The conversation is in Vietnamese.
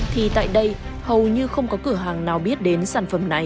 thì tại đây hầu như không có cửa hàng nào biết đến sản phẩm này